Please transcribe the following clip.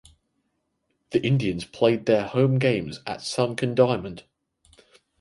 The Indians played their home games at Sunken Diamond.